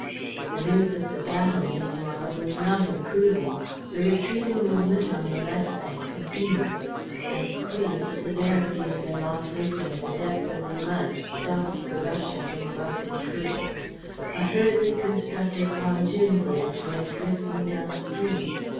The news of the battle, meanwhile, was not improving. The retreating movement on the left bank continued. At Crouy, the severity of their losses and the depth of the mud stopped the rush of the Moroccan troops. A hurriedly constructed pontoon bridge went drifting down stream.